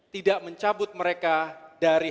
tidak mencabut mereka dari